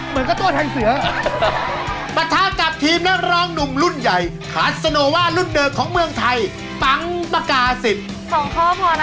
เป็นดาวณ์โรงเรียนดัมเมเชียช